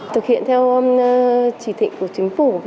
thực hiện theo chỉ thịnh của chính phủ